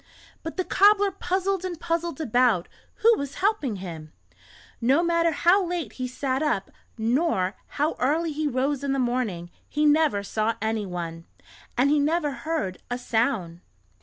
But the cobbler puzzled and puzzled about who was helping him. No matter how late he sat up, nor how early he rose in the morning, he never saw anyone, and he never heard a sound.